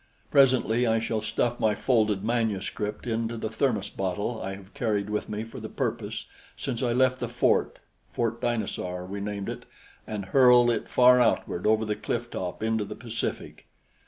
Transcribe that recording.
Presently I shall stuff my folded manuscript into the thermos bottle I have carried with me for the purpose since I left the fort Fort Dinosaur we named it and hurl it far outward over the cliff top into the Pacific.